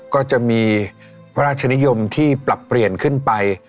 ก็จะมีพระราชนิยมที่ปรับเปลี่ยนขึ้นไป